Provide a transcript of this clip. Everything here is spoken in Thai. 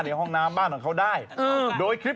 ในห้องน้ำบ้านของเขาได้